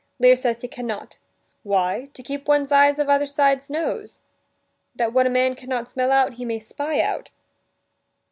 Lear says he can not. "Why, to keep one's eyes of either side 's nose, that what a man can not smell out, he may spy out."